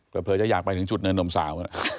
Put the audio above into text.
เผลอจะอยากไปถึงจุดเนินนมสาว